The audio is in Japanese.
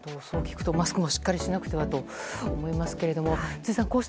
そう聞くとマスクもしっかりしなくてはと思いますけれども辻さん